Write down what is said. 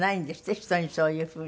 人にそういうふうに。